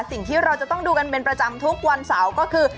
สิ่งที่เราจะต้องดูกันเป็นประจำทุกวันเสาร์ก็คือ